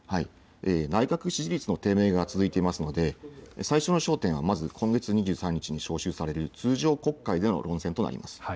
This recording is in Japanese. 内閣支持率の低迷が続いていますので最初の焦点はまず今月２３日に召集される通常国会での論戦となります。